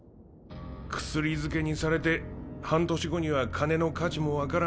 薬漬けにされて半年後には金の価値も分からん